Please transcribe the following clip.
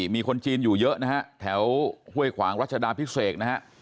มีคนจีนอยู่เยอะนะแถวเฮ้ยขวางรัชธาพิศเอกนะ